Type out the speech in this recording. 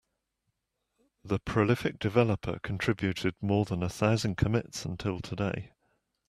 The prolific developer contributed more than a thousand commits until today.